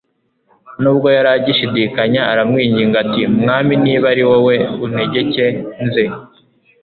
nubwo yari agishidikanya aramwinginga ati: "Mwami niba ari wowe untegeke nze